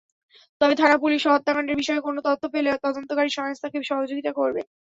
তবে থানা-পুলিশও হত্যাকাণ্ডের বিষয়ে কোনো তথ্য পেলে তদন্তকারী সংস্থাকে সহযোগিতা করবে।